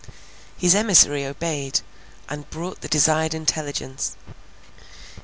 His emissary obeyed, and brought the desired intelligence.